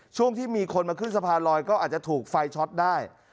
ช่วงที่มีคนมาขึ้นสะพานลอยก็อาจจะถูกไฟช็อตได้